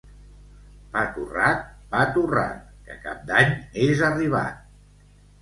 Pa torrat, pa torrat, que Cap d'Any és arribat.